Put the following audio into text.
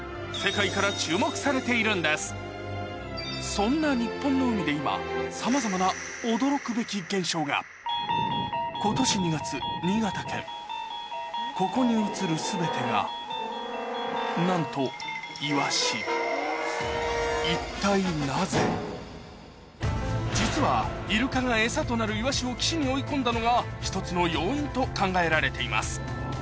そんな日本の海で今さまざまな驚くべき現象がここに映る全てがなんと実はイルカがエサとなるイワシを岸に追い込んだのが１つの要因と考えられています